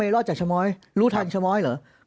เพราะอาชญากรเขาต้องปล่อยเงิน